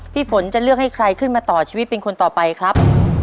พี่ฝนจะเลือกให้ใครขึ้นมาต่อชีวิตเป็นคนต่อไปครับ